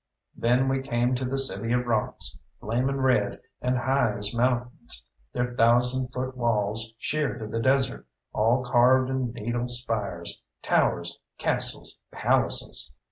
Then we came to the City of Rocks, flaming red, and high as mountains; their thousand foot walls sheer to the desert, all carved in needle spires, towers, castles, palaces.